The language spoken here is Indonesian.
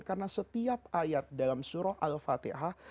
karena setiap ayat dalam surah al fatihah